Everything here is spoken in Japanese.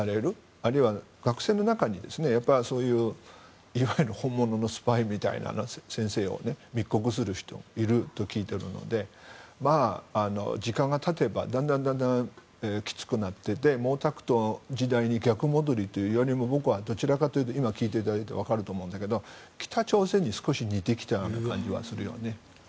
あるいは学生の中にそういう、いわゆる本物のスパイみたいな先生を密告する人がいると聞いているので時間がたてばだんだんきつくなっていって毛沢東時代に逆戻りというよりも僕はどちらかというと今、聞いていただいてわかると思うんだけど北朝鮮に少し似てきた感じはするよね。